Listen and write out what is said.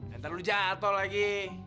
nanti lu jatuh lagi